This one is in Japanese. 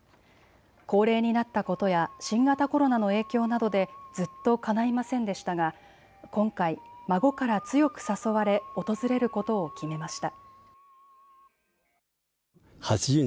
高齢になったことや新型コロナの影響などでずっとかないませんでしたが今回、孫から強く誘われ訪れることを決めました。